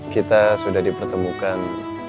kita sudah dipertemukan